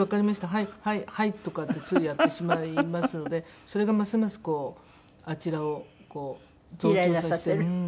はいはいはい」とかってついやってしまいますのでそれがますますこうあちらを増長させて。